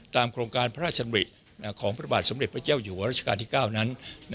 โครงการพระราชดำริของพระบาทสมเด็จพระเจ้าอยู่หัวรัชกาลที่๙นั้น